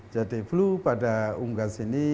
jadi flu pada unggas ini